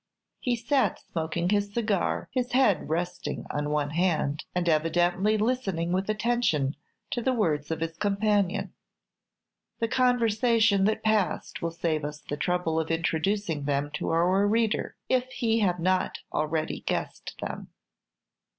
He sat smoking his cigar, his head resting on one hand, and evidently listening with attention to the words of his companion. The conversation that passed will save us the trouble of introducing them to our reader, if he have not already guessed them.